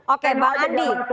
oke bang andi